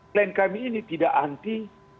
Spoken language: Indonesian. klien kami ini tidak anti